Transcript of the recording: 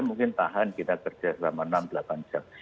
mungkin tahan kita kerja selama enam delapan jam